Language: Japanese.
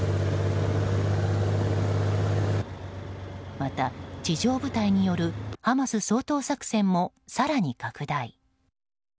また、地上部隊によるハマス掃討作戦も更に拡大。